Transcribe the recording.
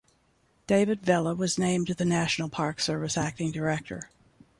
David Vela was named the National Park Service acting director.